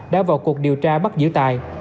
đã vào cuộc điều tra bắt giữ tài